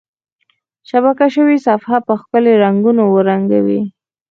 شبکه شوي صفحه په ښکلي رنګونو ورنګوئ.